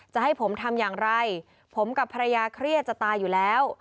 จะให้ผมทำอย่างไรผมกับภรรยาเครียดจะตายอยู่แล้ว